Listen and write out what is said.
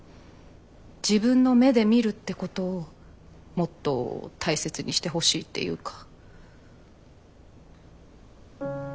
自分の目で見るってことをもっと大切にしてほしいっていうか。